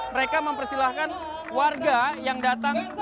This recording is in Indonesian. mereka mempersilahkan warga yang datang